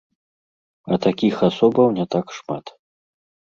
А такіх асобаў не так шмат.